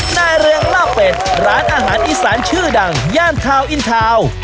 นายเรืองลาบเป็ดร้านอาหารอีสานชื่อดังย่านทาวน์อินทาวน์